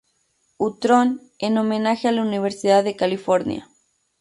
U.-tron, en homenaje a la Universidad de California.